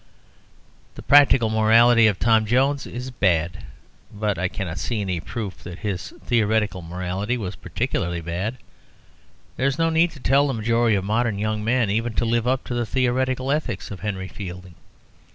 The practical morality of Tom Jones is bad; but I cannot see any proof that his theoretical morality was particularly bad. There is no need to tell the majority of modern young men even to live up to the theoretical ethics of Henry Fielding.